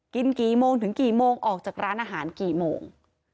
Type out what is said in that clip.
กินกี่โมงถึงกี่โมงออกจากร้านอาหารกี่โมง